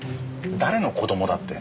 誰の子供だって？